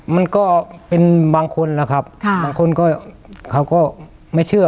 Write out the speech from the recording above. มันก็เป็นบางคนนะครับบางคนก็เขาก็ไม่เชื่อ